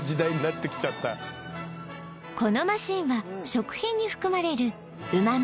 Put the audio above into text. このマシンは食品に含まれる旨味